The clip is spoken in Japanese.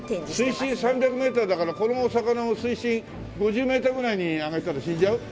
水深３００メーターだからこのお魚を水深５０メーターくらいに上げたら死んじゃう？